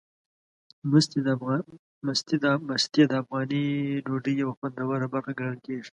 مستې د افغاني ډوډۍ یوه خوندوره برخه ګڼل کېږي.